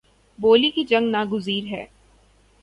بولی کی جنگ ناگزیر ہے